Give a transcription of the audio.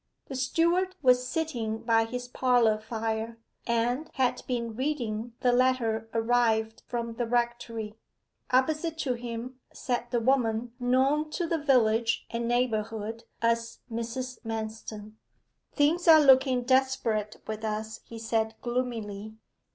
The steward was sitting by his parlour fire, and had been reading the letter arrived from the rectory. Opposite to him sat the woman known to the village and neighbourhood as Mrs. Manston. 'Things are looking desperate with us,' he said gloomily.